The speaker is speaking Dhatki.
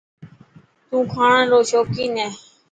تون کاڻ رو شوڪين هي؟